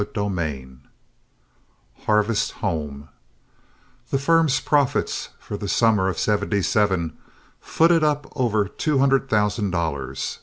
CHAPTER XV HARVEST HOME The firm's profits for the summer of '77 footed up over two hundred thousand dollars.